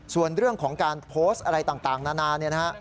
ส่วนเรื่องของการโพสต์อะไรต่างนานา